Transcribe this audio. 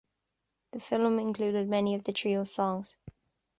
The film included many of the trio's songs.